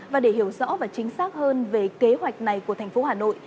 để tìm hiểu chính xác hơn về kế hoạch này của thành phố hà nội